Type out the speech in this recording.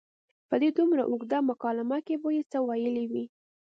په دې دومره اوږده مکالمه کې به یې څه ویلي وي.